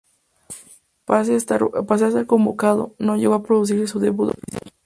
Pese a estar convocado, no llegó a producirse su debut oficial.